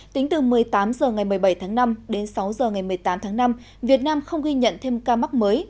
tính từ một mươi tám h ngày một mươi bảy tháng năm đến sáu h ngày một mươi tám tháng năm việt nam không ghi nhận thêm ca mắc mới